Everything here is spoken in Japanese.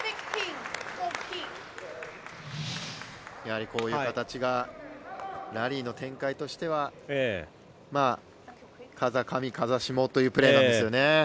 やはりこういう形がラリーの展開としては風上、風下というプレーなんですよね。